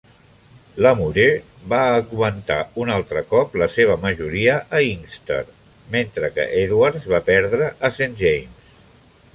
Lamoureux va augmentar un altre cop la seva majoria a Inkster, mentre que Edwards va perdre a Saint James.